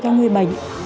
cho người bành